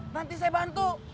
nanti saya bantu